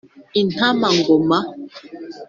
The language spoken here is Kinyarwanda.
Intama ngo ma